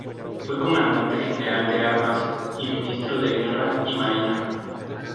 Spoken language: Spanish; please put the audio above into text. Fue Comandante General de Armas y Ministro de Guerra y Marina.